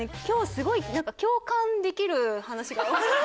今日すごいなんか共感できる話が。